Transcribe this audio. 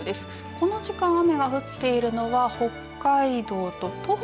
この時間、雨が降っているのは北海道と東北